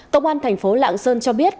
công an thành phố lạng sơn cho biết